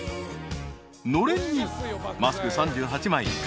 ［のれんにマスク３８枚。